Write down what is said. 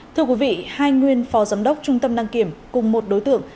thưa quý vị hai nguyên phó giám đốc trung tâm đăng kiểm cùng một đối tượng